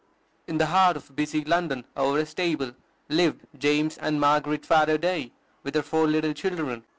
In the heart of busy London, over a stable, lived James and Margaret Faraday, with their four little children.